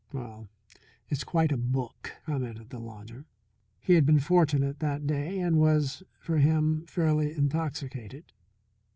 Well, it's quite a Book," commented the lodger. He had been fortunate that day and was, for him, fairly intoxicated.